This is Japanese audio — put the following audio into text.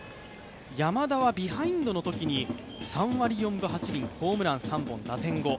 山田はビハインドのときに３割４分８厘、ホームラン３本、打点５。